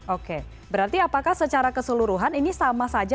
oke berarti apakah secara keseluruhan ini sama saja